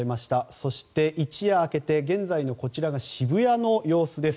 そして、一夜明けてこちら、現在の渋谷の様子です。